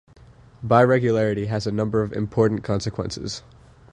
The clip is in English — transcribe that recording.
Biregularity has a number of important consequences.